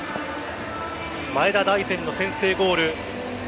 前田大然の先制ゴール。